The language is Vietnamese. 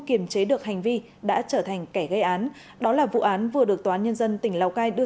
kiềm chế được hành vi đã trở thành kẻ gây án đó là vụ án vừa được tòa án nhân dân tỉnh lào cai đưa